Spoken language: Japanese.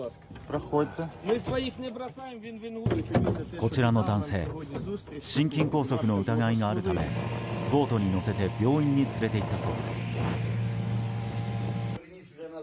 こちらの男性心筋梗塞の疑いがあるためボートに乗せて病院に連れて行ったそうです。